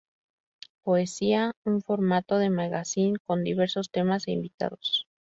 Poseía un formato de magazine, con diversos temas e invitados.